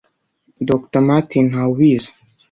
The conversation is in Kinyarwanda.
Dr Martin Ntawubizi